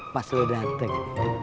pas lu datang